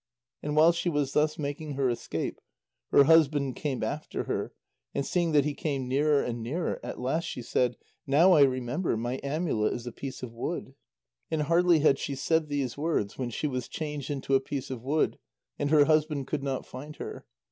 And while she was thus making her escape, her husband came after her, and seeing that he came nearer and nearer, at last she said: "Now I remember, my amulet is a piece of wood." And hardly had she said these words, when she was changed into a piece of wood, and her husband could not find her.